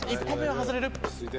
１本目は外れる。